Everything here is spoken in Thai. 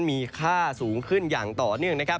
มีค่าสูงขึ้นอย่างต่อเนื่องนะครับ